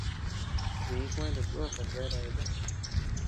Di kuenta tako ti bea dayata.